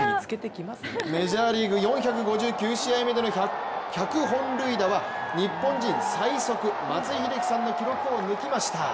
メジャーリーグ４５９試合目での１００本塁打は日本人最速、松井秀喜さんの記録を抜きました。